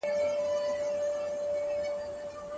آیا تاسو د خپلې وینې د ګروپ په اړه معلومات لرئ؟